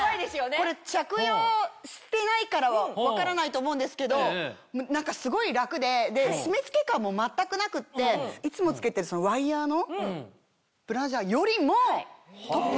これ着用してないから分からないと思うんですけど何かすごい楽で締め付け感も全くなくっていつも着けてるワイヤーのブラジャーよりも。